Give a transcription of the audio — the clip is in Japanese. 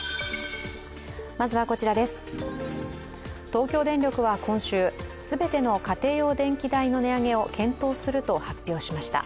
東京電力は今週、全ての家庭用電気代の値上げを検討すると発表しました。